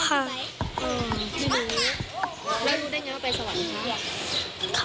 แล้วรู้ได้ยังไงว่าไปสวรรค์ค่ะ